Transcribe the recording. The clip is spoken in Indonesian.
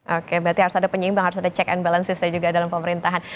oke berarti harus ada penyeimbang harus ada check and balancesnya juga dalam pemerintahan